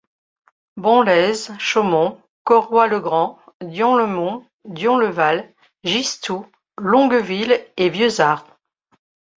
Bonlez, Chaumont, Corroy-le-Grand, Dion-le-Mont, Dion-le-Val, Gistoux, Longueville et Vieusart.